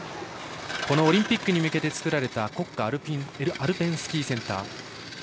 オリンピックに向けて作られた国家アルペンスキーセンター。